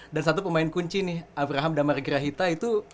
dan satu pemain kunci nih abraham damarigirahita itu